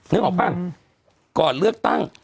นึกออกป่ะก่อนเลือกตั้ง